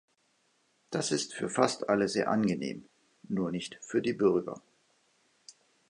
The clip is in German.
Das ist für fast alle sehr angenehm, nur nicht für die Bürger.